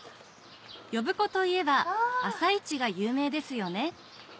呼子といえば朝市が有名ですよね